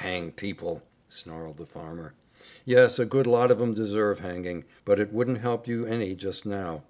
"Hang people!" snarled the farmer. "Yes, a good lot of 'em deserve hanging, but it wouldn't help you any just now.